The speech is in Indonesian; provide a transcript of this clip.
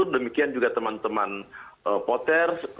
demikian juga teman teman potter